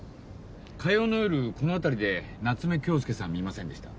火曜の夜この辺りで夏目恭輔さん見ませんでした？